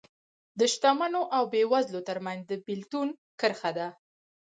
د شتمنو او بېوزلو ترمنځ د بېلتون کرښه ده